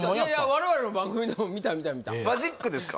我々の番組でも見た見た見たマジックですか？